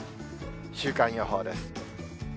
週間予報です。